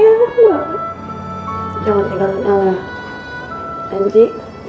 jangan tinggal dengan el ya